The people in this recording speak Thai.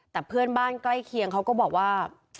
แต่เพื่อนบ้านใกล้เคียงเขาก็บอกว่า